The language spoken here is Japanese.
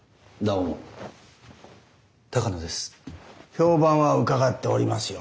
評判は伺っておりますよ